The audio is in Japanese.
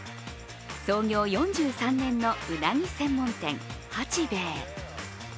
創業４３年のうなぎ専門店、八べえ。